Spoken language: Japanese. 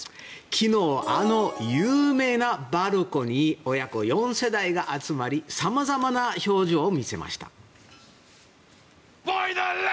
昨日、あの有名なバルコニーに親子４世代が集まりさまざまな表情を見せました。